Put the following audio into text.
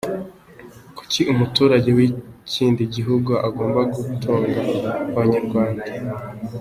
Kuki umuturage w’ikindi gihugu agomba gutunga abanyarwanda?